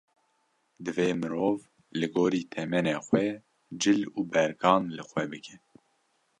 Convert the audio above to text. Divê mirov li gorî temenê xwe cil û bergan li xwe bike.